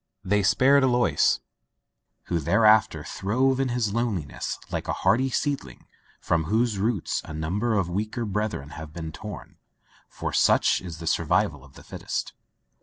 They spared Alois, who thereafter throve in his loneliness like a hardy seedling from whose roots a number of weaker brethren have been torn, for such is the survival of the fittest.